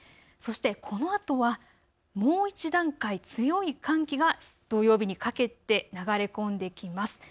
そしてこのあとはもう一段階強い寒気が土曜日にかけて流れ込んできます。